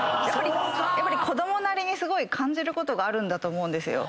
やっぱり子供なりにすごい感じることがあるんだと思うんですよ。